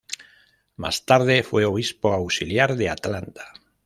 Más tarde fue obispo auxiliar de Atlanta.